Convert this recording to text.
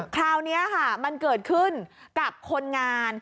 คราวนี้ค่ะมันเกิดขึ้นกับคนงาน